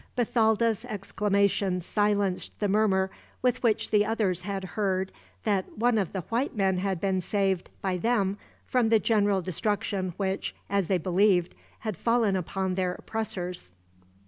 Bathalda's exclamation silenced the murmur with which the others had heard that one of the white men had been saved, by them, from the general destruction which, as they believed, had fallen upon their oppressors.